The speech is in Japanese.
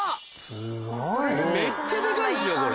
めっちゃデカいですよこれ。